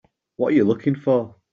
What are you looking for?